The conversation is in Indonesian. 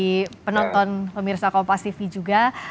jadi itu bagi penonton pemirsa kompleks tv juga